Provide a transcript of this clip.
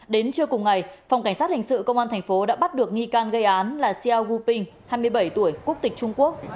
đến trưa cùng ngày phòng cảnh sát hình sự công an thành phố đã bắt được nghi can gây án là sia guping hai mươi bảy tuổi quốc tịch trung quốc